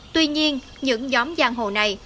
tuy nhiên những nhóm giang hồ này